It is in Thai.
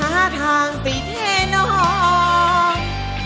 หาทางสิเท่น้อง